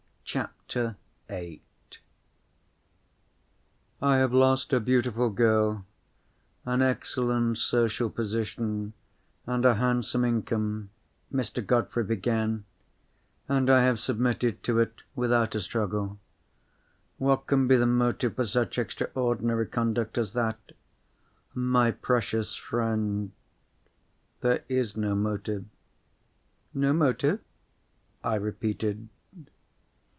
CHAPTER VIII "I have lost a beautiful girl, an excellent social position, and a handsome income," Mr. Godfrey began; "and I have submitted to it without a struggle. What can be the motive for such extraordinary conduct as that? My precious friend, there is no motive." "No motive?" I repeated.